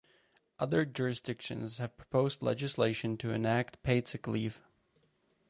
Other jurisdictions have proposed legislation to enact paid sick leave.